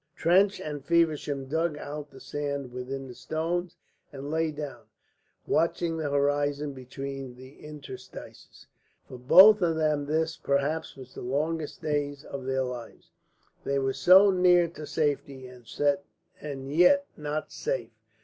Trench and Feversham dug out the sand within the stones and lay down, watching the horizon between the interstices. For both of them this perhaps was the longest day of their lives. They were so near to safety and yet not safe.